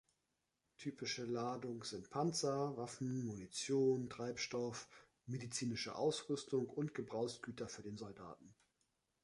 Typische Ladung sind Panzer, Waffen, Munition, Treibstoff, medizinische Ausrüstung und Gebrauchsgüter für den Soldaten.